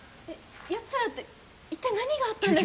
「やつら」って一体何があったんですか？